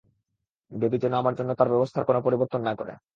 Baby যেন আমার জন্য তার ব্যবস্থার কোন পরিবর্তন না করে।